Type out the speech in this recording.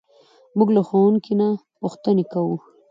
موږ له ښوونکي نه پوښتنې کوو.